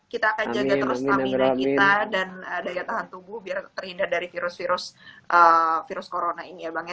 kita akan jaga terus stamina kita dan daya tahan tubuh biar terhindar dari virus virus corona ini ya bang ya